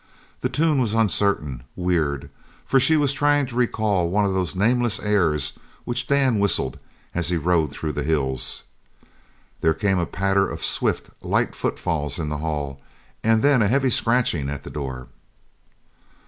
The tune was uncertain, weird for she was trying to recall one of those nameless airs which Dan whistled as he rode through the hills. There came a patter of swift, light footfalls in the hall, and then a heavy scratching at the door.